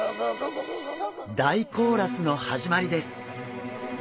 大コーラスの始まりです。